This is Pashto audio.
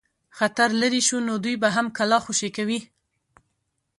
خطر لیري شو نو دوی به هم قلا خوشي کوي.